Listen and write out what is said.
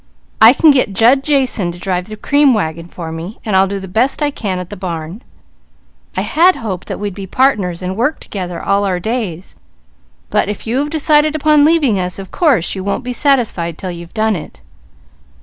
I can get Jud Jason to drive the cream wagon for me, and I'll do the best I can at the barn. I had hoped that we'd be partners and work together all our days; but if you have decided upon leaving us, of course you won't be satisfied till you've done it."